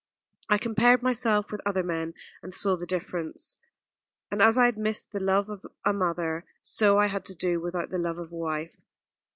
I compared myself with other men, and saw the difference; and as I had missed the love of a mother, so I had to do without the love of a wife.